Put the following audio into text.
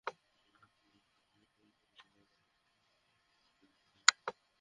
বিবেকমুকুল রানাকে পুলিশি হেফাজতে থাকা অবস্থায় জনগণকে আহ্বান করা হয়েছে ধরিয়ে দিতে।